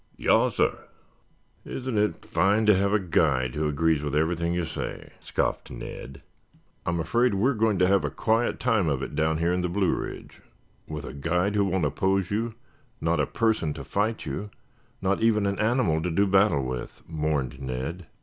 "Yassir." "Isn't it fine to have a guide who agrees with everything you say?" scoffed Ned. "I'm afraid we're going to have a quiet time of it down here in the Blue Ridge with a guide who won't oppose you, not a person to fight you, not even an animal to do battle with," mourned Ned.